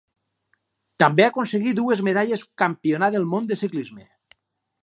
També aconseguí dues medalles Campionat del Món de ciclisme.